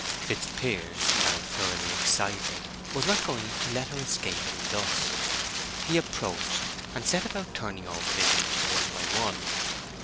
Fitzpiers, now thoroughly excited, was not going to let her escape him thus. He approached, and set about turning over the heaps one by one.